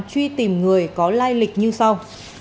truy tìm người có lai lịch như sau